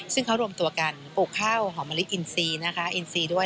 ซึ่งเขารวมตัวกันปลูกข้าวหอมลิสต์อินซีด้วย